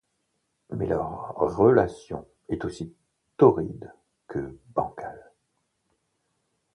Mais leur relation est aussi torride que bancale.